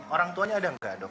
orang tuanya ada enggak dok